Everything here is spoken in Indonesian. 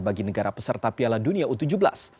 bagi negara peserta piala dunia u tujuh belas